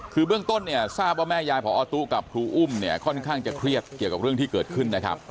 คือเบื้องต้นเนี่ยทราบว่าแม่ยายพอตู้กับครูอุ้มเนี่ยค่อนข้างจะเครียดเกี่ยวกับเรื่องที่เกิดขึ้นนะครับ